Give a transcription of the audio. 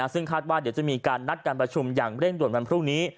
ซึ่งคาดว่าเดี๋ยวจะมีการนัดการประชุมอย่างเร่งด่วนวันพรุ่งนี้